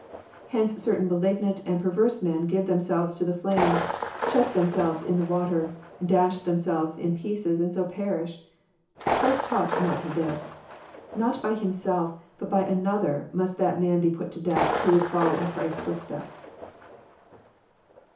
Hence certain malignant and perverse men give themselves to the flames, choke themselves in the water, dash themselves in pieces, and so perish. Christ taught not this. Not by himself, but by another, must that man be put to death who would follow in Christ's footsteps."